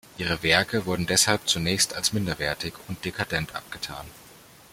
Ihre Werke wurden deshalb zunächst als minderwertig und dekadent abgetan.